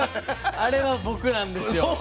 あれは僕なんですよ。